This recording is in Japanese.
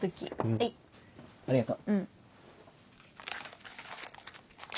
はい。ありがと。